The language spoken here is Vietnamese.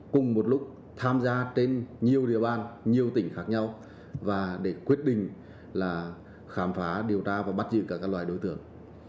cùng một lúc tham gia trên nhiều địa bàn nhiều tỉnh khác nhau và để quyết định là khám phá điều tra và bắt giữ các loài đối tượng